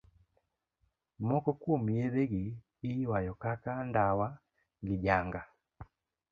Moko kuom yedhe gi iywayo kaka ndawa gi janga.